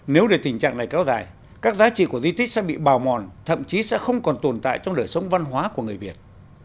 nếu để tình trạng này kéo dài các giá trị của di tích sẽ bị bào mòn thậm chí sẽ không còn tồn tại trong đời sống văn hóa của người việt